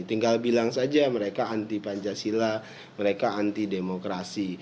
tinggal bilang saja mereka anti pancasila mereka anti demokrasi